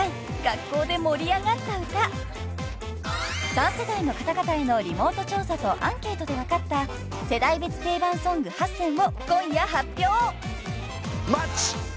［３世代の方々へのリモート調査とアンケートで分かった世代別定番ソング８選を今夜発表！］